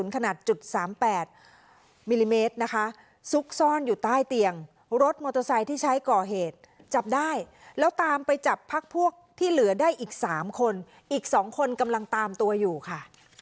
เกาะเตียงรถมอเตอร์ไซด์ที่ใช้ก่อเหตุจับได้แล้วตามไปจับพักพวกที่เหลือได้อีกสามคนอีกสองคนกำลังตามตัวอยู่ค่ะ